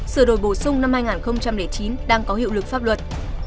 sửa đổi bổ sung năm hai nghìn chín đang có hiệu lực pháp luật